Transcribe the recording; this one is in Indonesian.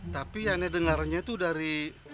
tapi aneh dengarnya tuh dari